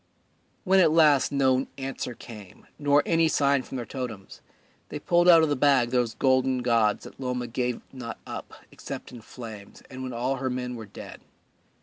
When at last no answer came nor any sign from their totems, they pulled out of the bag those golden gods that Loma gave not up except in flames and when all her men were dead.